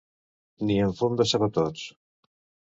Ni amb fum de sabatots.